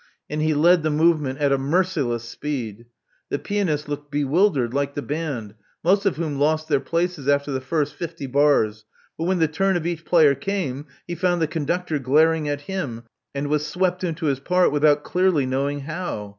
And he led the movement at a merciless speed. The pianist looked bewildered, like the band, most of whom lost their places after the first fifty bars; but when the turn of each player came, he found the conductor glaring at him, and was swept into his part without clearly knowing how.